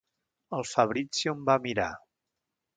El Fabrizio em va mirar.